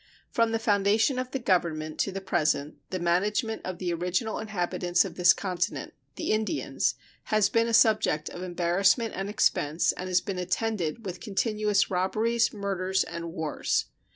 From the foundation of the Government to the present the management of the original inhabitants of this continent the Indians has been a subject of embarrassment and expense, and has been attended with continuous robberies, murders, and wars.